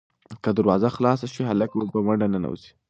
که دروازه خلاصه شي، هلک به په منډه ننوځي.